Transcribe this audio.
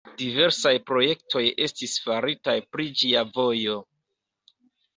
Diversaj projektoj estis faritaj pri ĝia vojo.